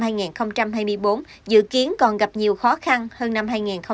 giải ngân vốn đầu tư công năm hai nghìn hai mươi bốn dự kiến còn gặp nhiều khó khăn hơn năm hai nghìn hai mươi ba